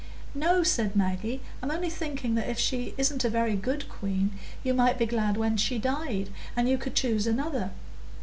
"No," said Maggie, "I'm only thinking that if she isn't a very good queen you might be glad when she died, and you could choose another.